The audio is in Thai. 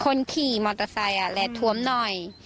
คนขี่มอเตอร์ไซค์แหละทวมหน่อย